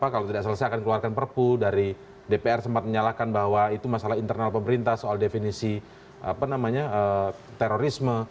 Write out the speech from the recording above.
kalau tidak selesai akan keluarkan perpu dari dpr sempat menyalahkan bahwa itu masalah internal pemerintah soal definisi terorisme